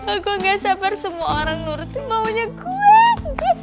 aku gak sabar semua orang nurutin maunya gue